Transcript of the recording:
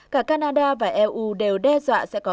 cả canada và eu đều đe dọa sẽ có